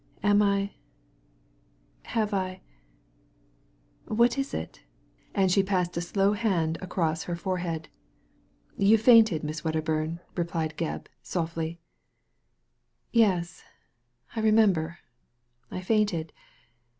"Am I — ^have I — what is it ?" and she passed a slow hand across her forehead. ''You fainted, Miss Wedderbum," replied Gebb, softly. "Yes! I remember I I fainted!